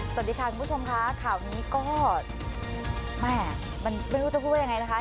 สวัสดีค่ะคุณผู้ชมค่ะข่าวนี้ก็แม่มันไม่รู้จะพูดว่ายังไงนะคะ